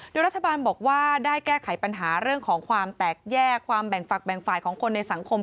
โดยรัฐบาลบอกว่าได้แก้ไขปัญหาเรื่องของความแตกแยกความแบ่งฝักแบ่งฝ่ายของคนในสังคม